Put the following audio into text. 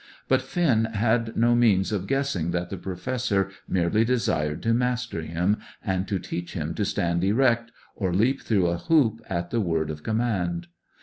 But Finn had no means of guessing that the Professor merely desired to master him, and to teach him to stand erect, or leap through a hoop at the word of command.